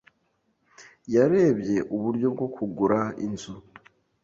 Yarebye uburyo bwo kugura inzu.